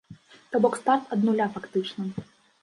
То бок старт ад нуля фактычна.